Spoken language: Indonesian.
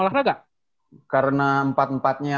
olahraga karena empat empat nya